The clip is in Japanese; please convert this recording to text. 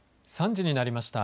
３時になりました。